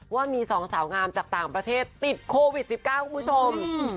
ว่ามี๒สาวงามจากต่างประเทศติดโควิด๑๙คุณผู้ชม